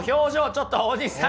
ちょっと大西さん。